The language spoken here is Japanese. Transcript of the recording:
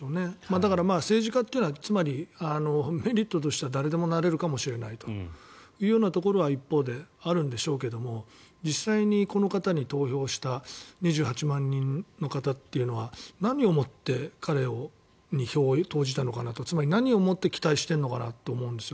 だから、政治家というのはつまりメリットとしては誰でもなれるかもしれないというところは一方であるんでしょうけど実際にこの方に投票した２８万人の方というのは何をもって彼に票を投じたのかなとつまり、何をもって期待しているのかなと思うんですよ。